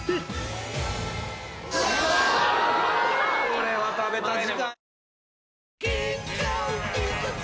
これは食べたいね。